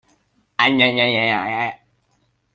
Pa Cung cu thawpi chuah in van khi a zoh.